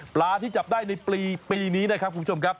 ที่จับได้ในปีนี้นะครับคุณผู้ชมครับ